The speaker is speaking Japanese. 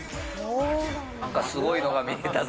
なんかすごいのが見えたぞ。